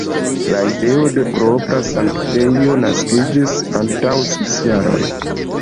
La ideo de propra sanktejo naskiĝis antaŭ ses jaroj.